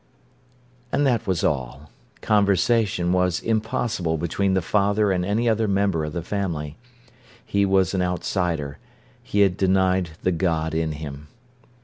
And that was all. Conversation was impossible between the father and any other member of the family. He was an outsider. He had denied the God in him.